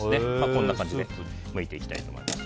こんな感じでむいていきたいと思います。